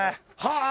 はあ？